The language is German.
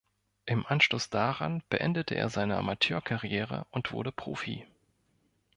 Im Anschluss daran beendete er seine Amateurkarriere und wurde Profi.